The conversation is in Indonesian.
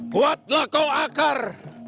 kuatlah kau akar